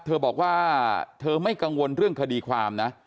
เธอบอกว่าเธอไม่กังวลเรื่องคดีความนะ